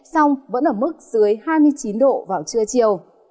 song vẫn ở mức dưới hai mươi chín độ vào trưa chiều